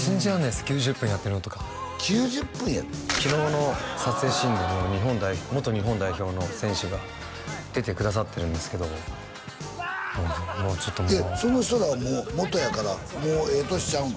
９０分やってるのとか９０分やで昨日の撮影シーンでも元日本代表の選手が出てくださってるんですけどもうちょっともうその人らはもう元やからもうええ年ちゃうの？